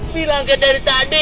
bilangin dari tadi